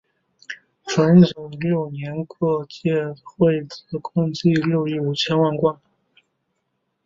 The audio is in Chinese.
淳佑六年各界会子共计六亿五千万贯。